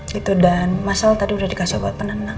gitu dan mas al tadi udah dikasih obat penenang